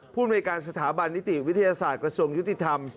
ภูมิในการสถาบันนิติวิทยาศาสตร์กระทรวงยุติธรรม